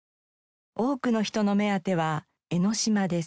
多くの人の目当ては江の島です。